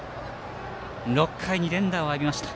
６回に連打を浴びました。